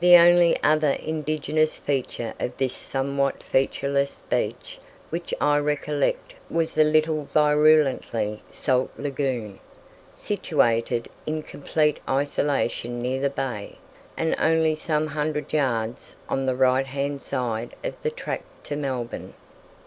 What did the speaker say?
The only other indigenous feature of this somewhat featureless Beach which I recollect was a little virulently salt lagoon, situated in complete isolation near the Bay, and only some hundred yards on the right hand side of the track to Melbourne.